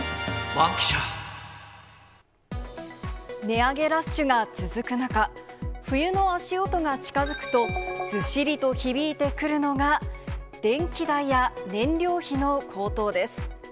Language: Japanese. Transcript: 値上げラッシュが続く中、冬の足音が近づくと、ずしりと響いてくるのが、電気代や燃料費の高騰です。